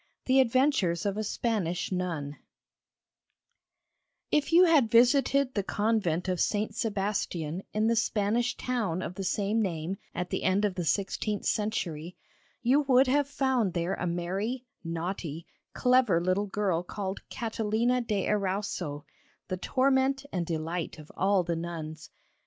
THE ADVENTURES OF A SPANISH NUN If you had visited the convent of St. Sebastian in the Spanish town of the same name at the end of the sixteenth century, you would have found there a merry, naughty, clever little girl called Catalina de Erauso, the torment and delight of all the nuns.